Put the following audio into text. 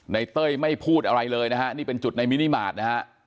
เต้ยไม่พูดอะไรเลยนะฮะนี่เป็นจุดในมินิมาตรนะฮะ